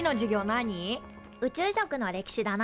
宇宙食の歴史だな。